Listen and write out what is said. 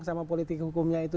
sama politik hukumnya itu